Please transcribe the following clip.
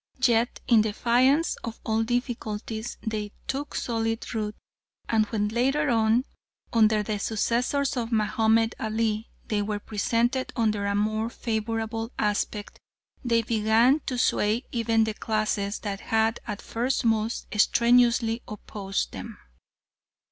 Yet, in defiance of all difficulties, they took solid root, and when later on, under the successors of Mahomed Ali, they were presented under a more favourable aspect, they began to sway even the classes that had at first most strenuously opposed them.